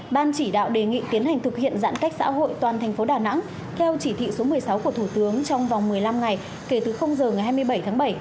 ban chỉ đạo đề nghị tiến hành thực hiện giãn cách xã hội toàn thành phố đà nẵng theo chỉ thị số một mươi sáu của thủ tướng trong vòng một mươi năm ngày kể từ giờ ngày hai mươi bảy tháng bảy